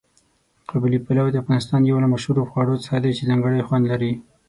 قابلي پلو د افغانستان یو له مشهورو خواړو څخه دی چې ځانګړی خوند لري.